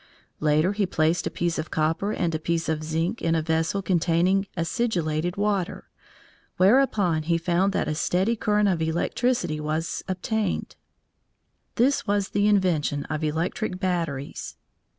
Later he placed a piece of copper and a piece of zinc in a vessel containing acidulated water, whereupon he found that a steady current of electricity was obtained. This was the invention of electric batteries.